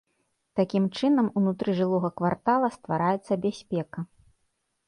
Такім чынам унутры жылога квартала ствараецца бяспека.